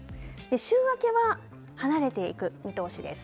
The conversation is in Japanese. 週明けは離れていく見通しです。